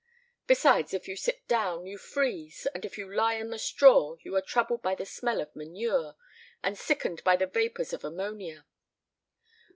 Besides, if you sit down, you freeze; and if you lie on the straw, you are troubled by the smell of manure, and sickened by the vapors of ammonia.